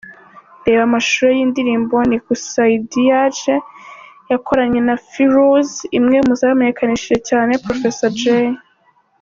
Reba amashusho y'indirimbo 'Nikusaidiaje' yakoranye na Ferooz, imwe muzamenyekanishije cyane Professor Jay.